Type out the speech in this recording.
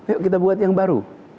yuk kita buat yang baru